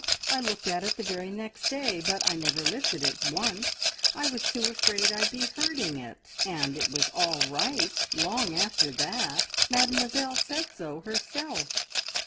I looked at it the very next day, but I never lifted it once. I was too afraid I'd be hurting it, and it was all right long after that Mademoiselle said so herself!"